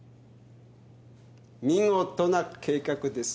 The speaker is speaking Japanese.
見事な計画です。